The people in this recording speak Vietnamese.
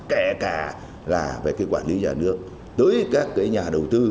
kể cả là về cái quản lý nhà nước tới các cái nhà đầu tư